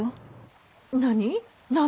何？